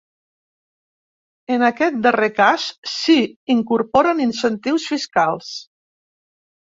En aquest darrer cas, s’hi incorporen incentius fiscals.